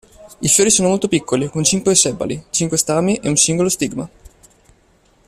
I fiori sono molto piccoli, con cinque sepali, cinque stami e un singolo stigma.